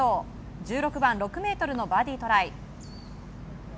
１６番、６ｍのバーディートライ。